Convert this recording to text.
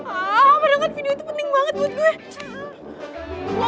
aduh video itu pening banget buat gue